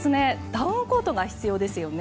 ダウンコートが必要ですよね。